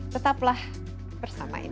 tetaplah bersama insight